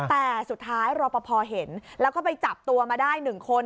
แต่สุดท้ายรอปภเห็นแล้วก็ไปจับตัวมาได้๑คน